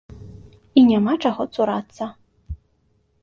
І няма чаго цурацца.